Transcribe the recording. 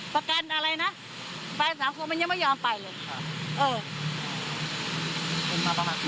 ประกันอะไรนะแฟนสามคนมันยังไม่ยอมไปเลยครับเออ